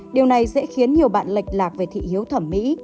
điều này dễ khiến nhiều bạn lệch lạc về thị hiếu thẩm mỹ